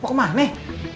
mau kemana nih